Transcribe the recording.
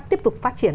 tiếp tục phát triển